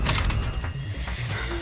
そんな。